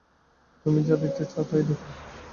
তুমি যা দেখতে চাও তাই দেখো।